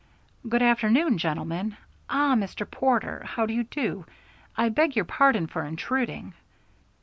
"Good afternoon, gentlemen. Ah! Mr. Porter. How do you do? I beg your pardon for intruding."